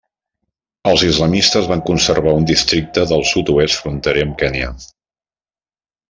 Els islamistes van conservar un districte del sud-oest fronterer amb Kenya.